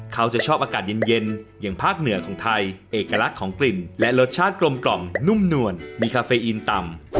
เขาจะชอบอากาศเย็นอย่างภาคเหนือของไทยเอกลักษณ์ของกลิ่นและรสชาติกลมกล่อมนุ่มนวลมีคาเฟอีนต่ำ